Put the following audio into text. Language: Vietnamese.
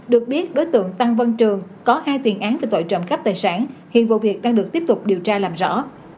được biết đối tượng tăng văn trường có hai tiền án về tội trộm cắp tài sản hiện vụ việc đang được tiếp tục điều tra làm rõ